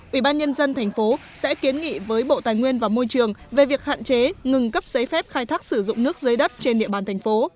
ubnd tp hcm sẽ kiến nghị với bộ tài nguyên và môi trường về việc hạn chế ngừng cấp giấy phép khai thác sử dụng nước dưới đất trên địa bàn thành phố